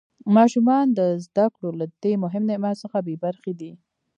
ماشومان د زده کړو له دې مهم نعمت څخه بې برخې دي.